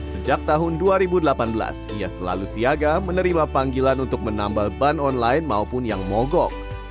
sejak tahun dua ribu delapan belas ia selalu siaga menerima panggilan untuk menambal ban online maupun yang mogok